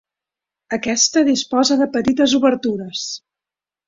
Aquesta disposa de petites obertures.